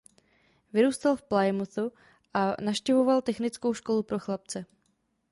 Vyrůstal v Plymouthu a navštěvoval technickou školu pro chlapce.